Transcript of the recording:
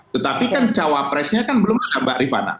tetapi kan cawapresnya kan belum ada mbak rifana